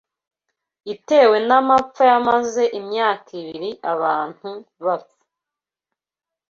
itewe n’amapfa yamaze imyaka ibiri abantu bapfa